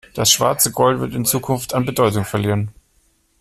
Das schwarze Gold wird in Zukunft an Bedeutung verlieren.